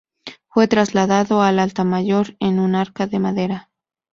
Fue trasladado al altar mayor, en un arca de madera.